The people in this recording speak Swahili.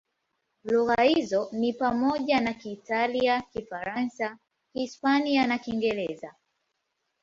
Lugha hizo ni pamoja na Kiitalia, Kifaransa, Kihispania na Kiingereza.